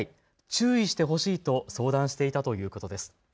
注意してほしいと相談していたということです。